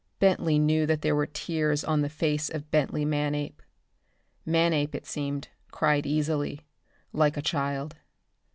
Bentley knew that there were tears on the face of Bentley Manape. Manape, it seemed, cried easily, like a child.